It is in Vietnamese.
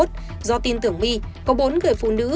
do tin tưởng my có bốn người phụ nữ